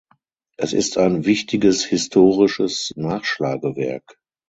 Es ist ein wichtiges historisches Nachschlagewerk.